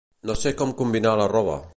No sé com combinar la roba.